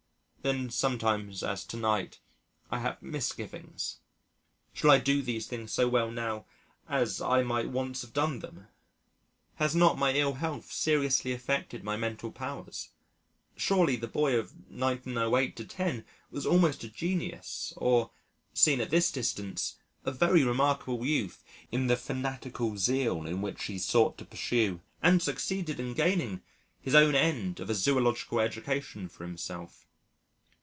Then sometimes, as to night, I have misgivings. Shall I do these things so well now as I might once have done them? Has not my ill health seriously affected my mental powers? Surely the boy of 1908 10 was almost a genius or seen at this distance a very remarkable youth in the fanatical zeal with which he sought to pursue, and succeeded in gaining, his own end of a zoological education for himself.